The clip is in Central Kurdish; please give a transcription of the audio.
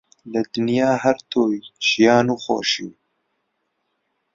لە دنیا هەر تۆی ژیان و خۆشیم